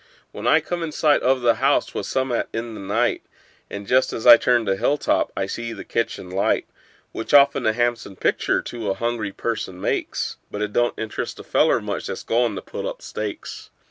When I come in sight o' the house 'twas some'at in the night, And just as I turned a hill top I see the kitchen light; Which often a han'some pictur' to a hungry person makes, But it don't interest a feller much that's goin' to pull up stakes.